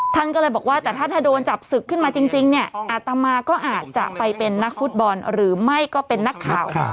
ท่านก็เลยบอกว่าแต่ถ้าโดนจับศึกขึ้นมาจริงเนี่ยอาตมาก็อาจจะไปเป็นนักฟุตบอลหรือไม่ก็เป็นนักข่าว